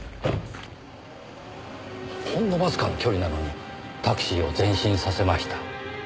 ほんのわずかな距離なのにタクシーを前進させました。